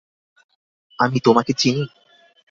আমি তোমাকে চিনি?